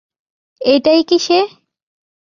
এটাই কি সে?